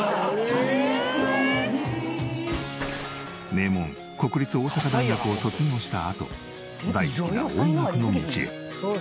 名門国立大阪大学を卒業したあと大好きな音楽の道へ。